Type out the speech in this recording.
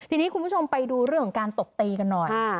ทีนี้คุณผู้ชมไปดูเรื่องของการตบตีกันหน่อย